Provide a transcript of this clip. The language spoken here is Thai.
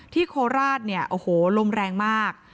ที่โคราชเนี่ยโหรมแรงมาก